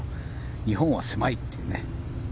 日本は狭いっていうね。